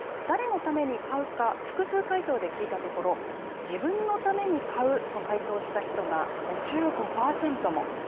誰のために買うか複数回答で聞いたところ、自分のために買うと回答した人が５５％も。